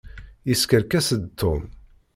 Yeskerkes-d Tom.